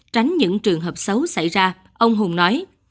tránh những trường hợp xấu xảy ra ông hùng nói